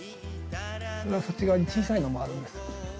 そっち側に小さいのもあるんです。